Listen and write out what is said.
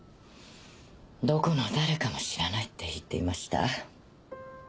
どこの誰かも知らないって言っていました。